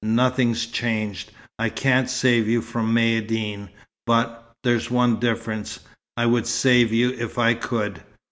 Nothing's changed. I can't save you from Maïeddine, but there's one difference. I would save you if I could.